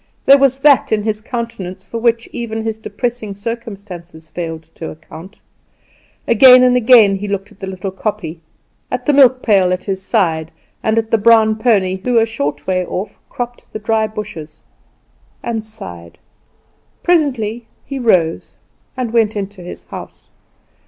There was that in his countenance for which even his depressing circumstances failed to account. Again and again he looked at the little kopje, at the milk pail at his side, and at the brown pony, who a short way off cropped the dry bushes and sighed. Presently he rose and went into his house.